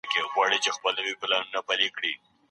ایا حاکمانو د مغولو کړنې تعقیب کړې؟